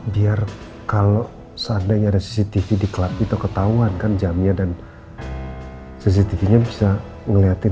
biar kalau seandainya ada cctv di club kita ketahuan kan jamnya dan cctv nya bisa ngeliatin